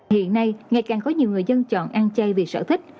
hiện nay ngày càng có nhiều người dân chọn ăn chay vì sở thích